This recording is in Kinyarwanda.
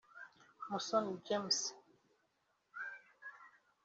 Musoni James